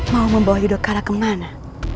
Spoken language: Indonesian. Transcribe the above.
mau membawa yudhakara kemana